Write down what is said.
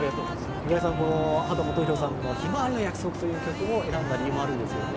秦基博さんの「ひまわりの約束」を選んだ理由もあるんですよね。